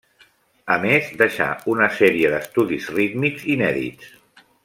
A més, deixà, una sèrie d'estudis rítmics inèdits.